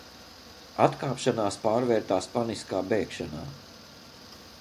Atkāpšanās pārvērtās paniskā bēgšanā.